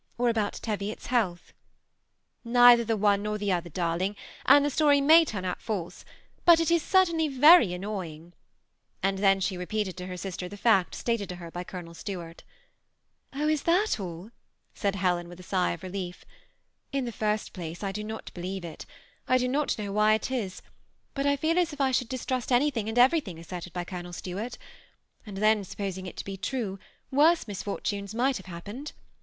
or about Teviof s health?'' *' Neither the one nor the other, darling, and the story may turn out false ; but it is certainly very an noying ;" and then she repeated to her sister the facts stated to her by Colonel Stuart. _^ Oh ! is that all ?" said Helen, with a sigh of relief. " In the first place, I do not believe it I do not know why it is, but I feel as if I should distrust anything and everything asserted by Colonel Stuart ; and then, sap posing it to be true, worse misfortunes might hare happened.